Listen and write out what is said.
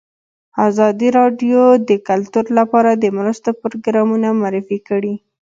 ازادي راډیو د کلتور لپاره د مرستو پروګرامونه معرفي کړي.